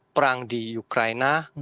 perang di ukraina